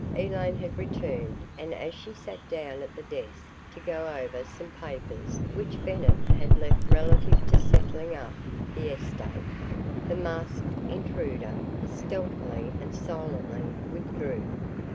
Elaine had returned and as she sat down at the desk to go over some papers which Bennett had left relative to settling up the estate, the masked intruder stealthily and silently withdrew.